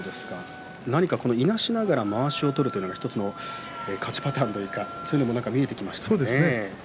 何か、いなしながらまわしを取るというのが１つの勝ちパターンというかそういうものが見えてきますね。